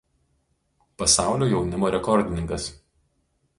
Pasaulio jaunimo rekordininkas.